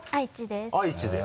愛知です。